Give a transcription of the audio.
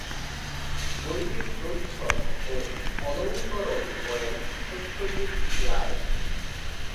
বইটির প্রচ্ছদ ও অলংকরণ করেন সত্যজিৎ রায়।